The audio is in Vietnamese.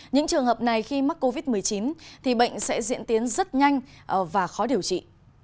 những trường hợp này khi mắc covid một mươi chín thì bệnh sẽ diễn tiến rất nhanh và khó điều trị